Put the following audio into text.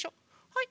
はい。